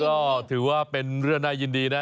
ก็ถือว่าเป็นเรื่องน่ายินดีนะ